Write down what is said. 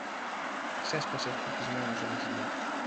ξέσπασε φουρκισμένος ο Βασιλιάς.